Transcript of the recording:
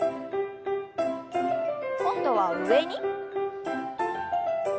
今度は上に。